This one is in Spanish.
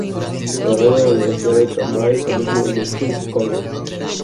La radio de la Universidad de Cambridge se emite desde el Churchill College.